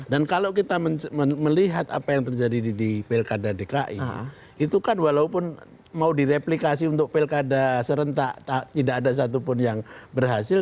dan kalau kita melihat apa yang terjadi di pilkada dki itu kan walaupun mau direplikasi untuk pilkada serentak tidak ada satupun yang berhasil